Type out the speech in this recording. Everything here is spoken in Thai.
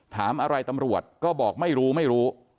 ถามอะไรตำรวจก็บอกไม่รู้ไม่รู้